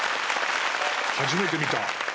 初めて見た。